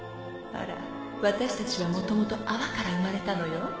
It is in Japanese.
あら私たちはもともと泡から生まれたのよ。